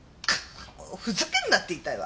ふざけるな！って言いたいわ。